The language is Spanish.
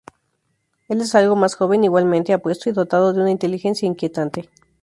Él es algo más joven, igualmente apuesto, y dotado de una inteligencia inquietante.